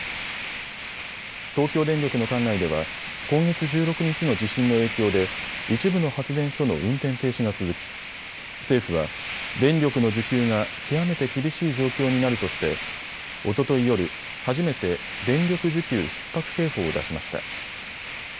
東京電力の管内では今月１６日の地震の影響で一部の発電所の運転停止が続き政府は、電力の需給が極めて厳しい状況になるとしておととい夜、初めて電力需給ひっ迫警報を出しました。